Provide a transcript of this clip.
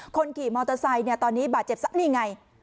คนขี่มอเตอร์ไซค์ตอนนี้บาดเจ็บซะนี่ไง